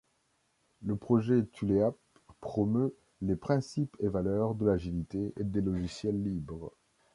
Le projet Tuleap promeut les principes et valeurs de l'agilité et des logiciels libres.